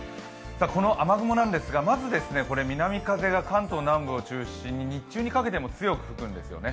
この雨雲なんですが、まず南風が関東南部を中心に日中にかけても強く吹くんですよね。